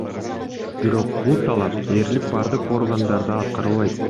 Бирок бул талап дээрлик бардык органдарда аткарылбайт.